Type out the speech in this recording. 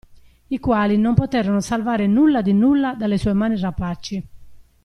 I quali non poterono salvare nulla di nulla dalle sue mani rapaci.